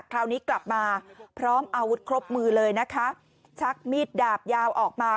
คราวนี้กลับมาพร้อมอาวุธครบมือเลยนะคะชักมีดดาบยาวออกมา